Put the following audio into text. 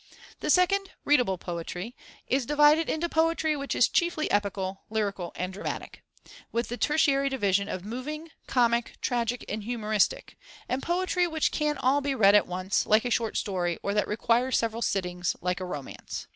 The second (readable poetry) is divided into poetry which is chiefly epical, lyrical, and dramatic, with the tertiary division of moving, comic, tragic, and humoristic; and poetry which can all be read at once, like a short story, or that requires several sittings, like a romance.